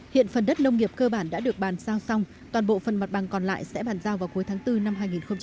hiện phần đất nông nghiệp cơ bản đã được bàn sao xong toàn bộ phần mặt bằng còn lại sẽ bàn giao vào cuối tháng bốn năm hai nghìn hai mươi